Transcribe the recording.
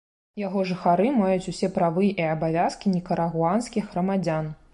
Яго жыхары маюць усе правы і абавязкі нікарагуанскіх грамадзян.